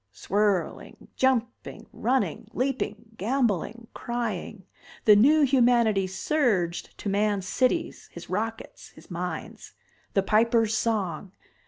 Swirling, jumping, running, leaping, gamboling, crying the new humanity surged to man's cities, his rockets, his mines. The Piper's song!